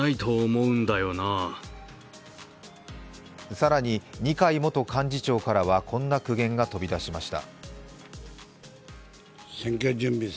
更に二階元幹事長からはこんな苦言が飛び出しました。